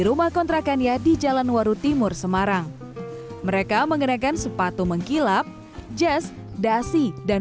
rumah kontrakannya di jalan waru timur semarang mereka mengenakan sepatu mengkilap jazz dasi dan